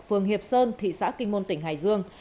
phường hiệp sơn thị xã kinh môn tỉnh hải dương